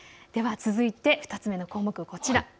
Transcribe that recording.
続いて２つ目の項目、こちら。